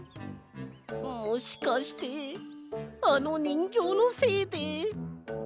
もしかしてあのにんぎょうのせいで。